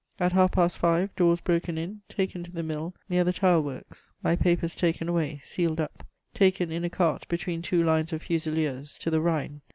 At half past five, doors broken in, taken to the Mill, near the Tile works. My papers taken away, sealed up. Taken in a cart, between two lines of fusiliers, to the Rhine.